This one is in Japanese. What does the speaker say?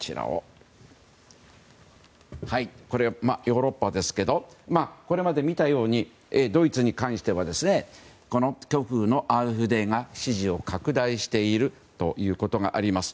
これはヨーロッパですけどこれまで見たようにドイツに関してはこの極右のＡｆＤが支持を拡大しているということがあります。